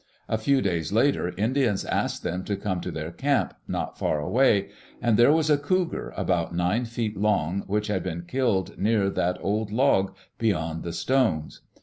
A few days later, Indians asked them to come to their camp, not far away, and there was a cougar about nine feet long which had been killed near that old log beyond the stones.